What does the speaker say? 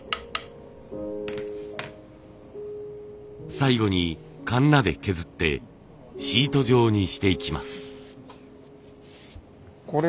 最後にカンナで削ってシート状にしていきます。